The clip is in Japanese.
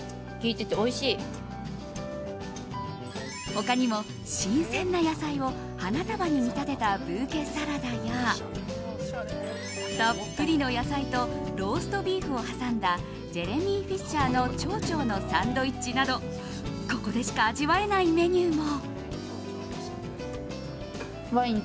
他にも新鮮な野菜を花束に見立てたブーケサラダやたっぷりの野菜とローストビーフを挟んだジェレミー・フィッシャーのチョウチョウのサンドイッチなどここでしか味わえないメニューも。